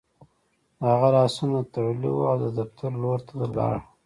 د هغه لاسونه تړلي وو او د دفتر لور ته لاړ